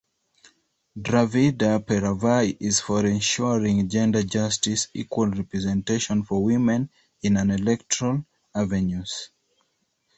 Dravida Peravai is for ensuring gender justice equal-representation for women in all electoral avenues.